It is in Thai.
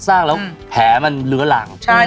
แล้วแผลมันเหลือหลัง